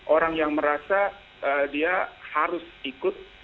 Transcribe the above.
orang yang merasa dia harus ikut